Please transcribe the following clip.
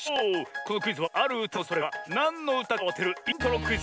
このクイズはあるうたのさいしょだけをきいてそれがなんのうたかをあてるイントロクイズ。